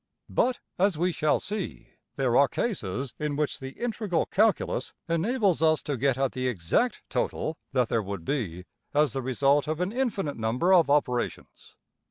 But, as we shall see, there are cases in which the integral calculus enables us to get at the \emph{exact} total that there would be as the result of an infinite number of operations.